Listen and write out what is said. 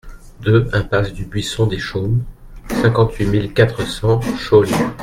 deux impasse du Buisson des Chaumes, cinquante-huit mille quatre cents Chaulgnes